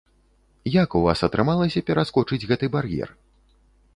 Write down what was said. Як у вас атрымалася пераскочыць гэты бар'ер?